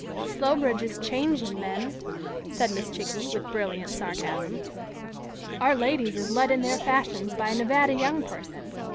"Slowbridge is changing, mem," said Miss Chickie, with brilliant sarcasm. "Our ladies is led in their fashions by a Nevada young person.